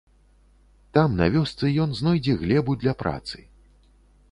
Там, на вёсцы, ён знойдзе глебу для працы.